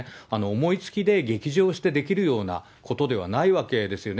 思いつきで、激情してできるようなことではないわけですよね。